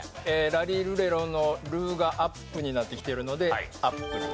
ラリルレロの「ル」がアップになってきてるのでアップル。